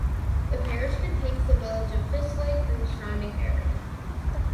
The parish contains the village of Fishlake and the surrounding area.